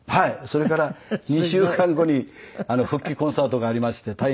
それから２週間後に復帰コンサートがありまして退院して。